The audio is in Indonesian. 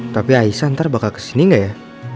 tapi aisan ntar bakal kesini gak ya